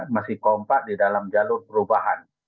masih kompak di dalam jalur perubahan